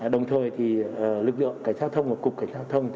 đồng thời lực lượng cảnh sát giao thông và cục cảnh sát giao thông